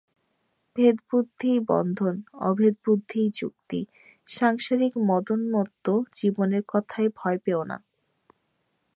ভেদবুদ্ধিই বন্ধন, অভেদবুদ্ধিই মুক্তি, সাংসারিক মদোন্মত্ত জীবের কথায় ভয় পেও না।